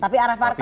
tapi arah partai